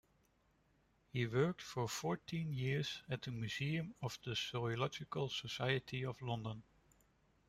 He worked for fourteen years at the museum of the Zoological Society of London.